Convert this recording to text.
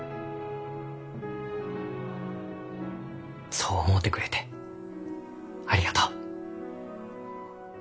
そう思うてくれてありがとう。